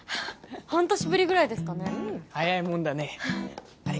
半年ぶりぐらいですかねうん早いもんだねあれ？